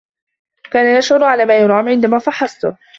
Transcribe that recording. كان يشعر على ما يرام عندما فحصته.